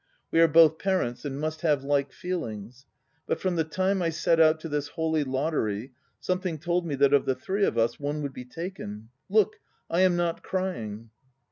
We are both parents and must have like feelings. But from the time I set out to this holy lottery some thing told me that of the three of us one would be taken. Look! I am not crying.